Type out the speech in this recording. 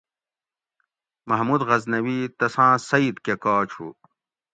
محمود غزنوی تسان سیٔت کہۤ کاچ ہوُ